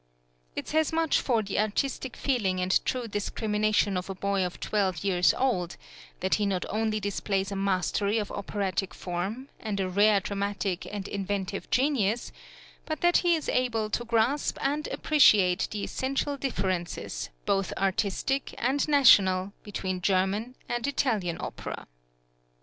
It says much for the artistic feeling and true discrimination of a boy of twelve years old, that he not only displays a mastery of operatic form, and a rare dramatic and inventive genius, but that he is able to grasp and appreciate the essential differences, both artistic and national, between German and Italian opera.